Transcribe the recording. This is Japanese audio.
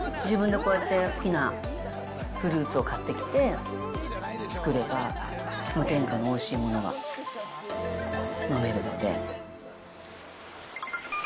自分でこうやって、好きなフルーツを買ってきて、作れば、無添加のおいしいものが飲めるので。